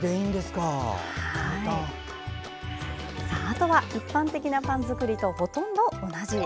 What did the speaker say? あとは一般的なパン作りとほとんど同じ。